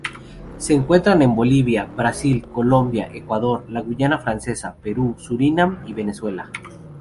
Se encuentra en Bolivia, Brasil, Colombia, Ecuador, la Guayana francesa, Perú, Surinam y Venezuela.